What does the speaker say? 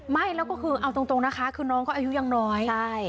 ไม่แล้วก็คือเอาตรงนะคะคือน้องก็อายุยังน้อยใช่